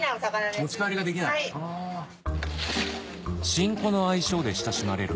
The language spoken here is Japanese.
シンコの愛称で親しまれる